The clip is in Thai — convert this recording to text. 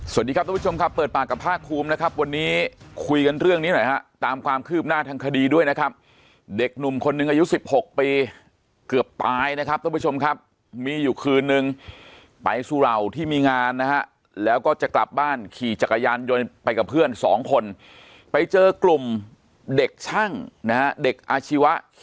สวัสดีครับทุกผู้ชมครับเปิดปากกับภาคภูมินะครับวันนี้คุยกันเรื่องนี้หน่อยฮะตามความคืบหน้าทางคดีด้วยนะครับเด็กหนุ่มคนหนึ่งอายุสิบหกปีเกือบตายนะครับทุกผู้ชมครับมีอยู่คืนนึงไปสุเหล่าที่มีงานนะฮะแล้วก็จะกลับบ้านขี่จักรยานยนต์ไปกับเพื่อนสองคนไปเจอกลุ่มเด็กช่างนะฮะเด็กอาชีว